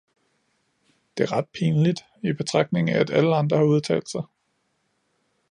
Det er ret pinligt, i betragtning af at alle andre har udtalt sig.